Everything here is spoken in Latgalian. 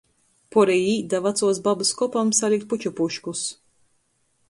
Puorejī īt da vacuos babys kopam salikt puču puškus.